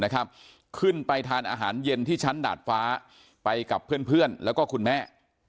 ขึ้นไปทานอาหารเย็นที่ชั้นดาดฟ้าไปกับเพื่อนแล้วก็คุณแม่